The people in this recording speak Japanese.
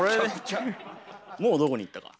もうどこにいったか。